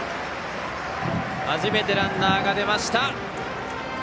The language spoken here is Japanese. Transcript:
初めてランナーが出ました！